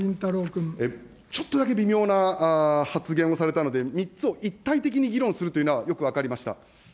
ちょっとだけ微妙な発言をされたので、３つを一体的に議論するというのは、よく分かりました。